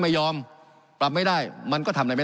การปรับปรุงทางพื้นฐานสนามบิน